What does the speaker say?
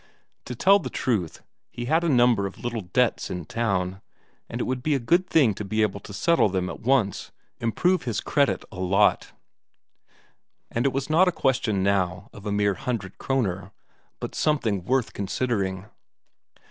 To tell the truth, he had a number of little debts in town, and it would be a good thing to be able to settle them at once improve his credit a lot. And it was not a question now of a mere hundred Kroner, but something worth considering.